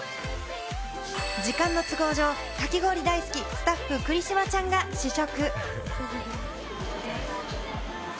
時間の都合上、かき氷大好きスタッフ・栗嶋ちゃんが試食。